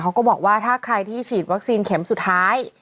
เขาก็บอกว่าถ้าใครที่ฉีดวัคซีนเข็มสุดท้าย